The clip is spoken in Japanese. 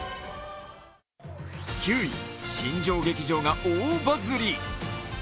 ９位、新庄劇場が大バズり。